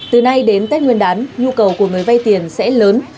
từ nay đến tết nguyên đán nhu cầu của người vay tiền sẽ lớn